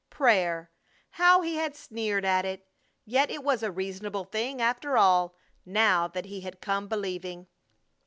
Prayer! How he had sneered at it! Yet it was a reasonable thing, after all, now that he had come believing.